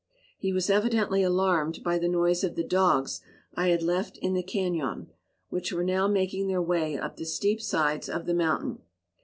He was evidently alarmed by the noise of the dogs I had left in the cañon, which were now making their way up the steep sides of the mountain.